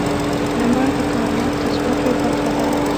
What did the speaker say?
• لمر د کائنات د ځواک یوه برخه ده.